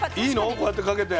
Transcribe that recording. こうやってかけて。